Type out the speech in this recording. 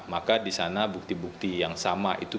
maka di sana bukti bukti yang sama itu